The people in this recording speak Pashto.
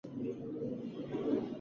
د چای ډول د ګټو اندازه بدلوي.